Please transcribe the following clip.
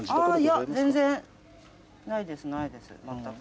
いや、全然、ないです、ないです、全く。